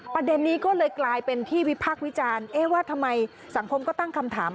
ประเด็นนี้ก็เลยกลายเป็นที่วิพากษ์วิจารณ์เอ๊ะว่าทำไมสังคมก็ตั้งคำถาม